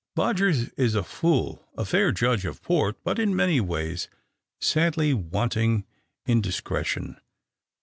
" Bodgers is a fool — a fair judge of port, but in many ways sadly wanting in discre tion.